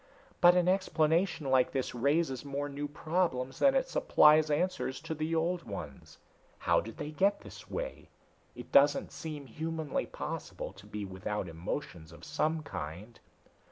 But an explanation like this raises more new problems than it supplies answers to the old ones. How did they get this way! It doesn't seem humanly possible to be without emotions of some kind."